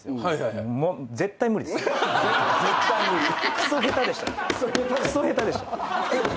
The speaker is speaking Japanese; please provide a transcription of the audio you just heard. くそ下手でした。